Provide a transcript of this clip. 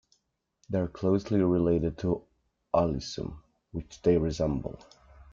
They are closely related to "Alyssum", which they resemble.